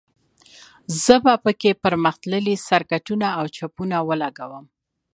زه به په کې پرمختللي سرکټونه او چپونه ولګوم